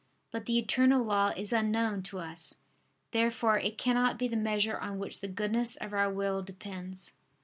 But the eternal law is unknown to us. Therefore it cannot be the measure on which the goodness of our will depends.